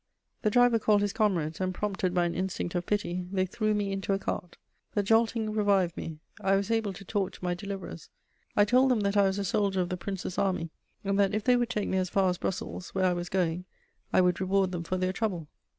The driver called his comrades and, prompted by an instinct of pity, they threw me into a cart. The jolting revived me; I was able to talk to my deliverers; I told them that I was a soldier of the Princes' Army, and that if they would take me as far as Brussels, where I was going, I would reward them for their trouble.